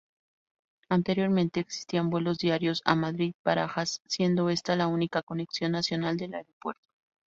Anteriormente, existían vuelos diarios a Madrid-Barajas, siendo esta la única conexión nacional del aeropuerto.